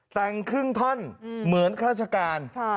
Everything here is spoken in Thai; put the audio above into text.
แต่งครึ่งท่อนเหมือนข้าราชการ